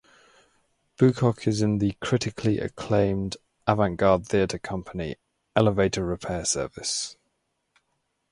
Boocock is in the critically acclaimed avant-garde theatre company "Elevator Repair Service".